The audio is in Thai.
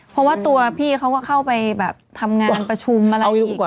เพราะว่าตัวพี่เขาก็เข้าไปแบบทำงานประชุมอะไร